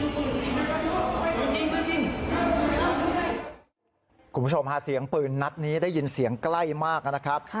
คุณผู้ชมพาเสียงปืนนัดนี้ได้ยินเสียงใกล้มากนะครับ